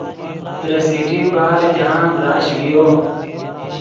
ترے سٹی پارک جاہند رش ڤیو